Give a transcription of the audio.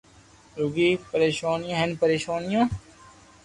رگي پرآݾونيو ھي پريݾونيون